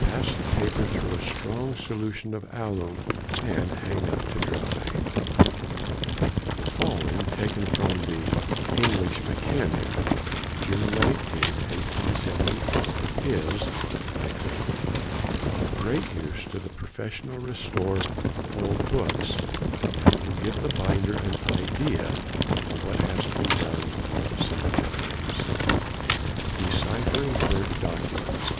_—Pass the paper through a strong solution of alum, and hang up to dry. The following, taken from the "English Mechanic," June 19th, 1874, is, I think, of great use to the professional restorer of old books, and will give the binder an idea of what has to be done sometimes:— "DECIPHERING BURNT DOCUMENTS.